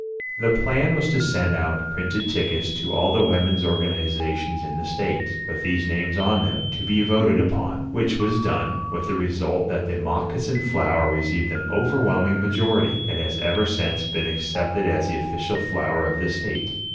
The plan was to send out printed tickets, to all the women's organizations in the state, with these names on them, to be voted upon, which was done, with the result that the moccasin flower received an overwhelming majority, and has ever since been accepted as the official flower of the state.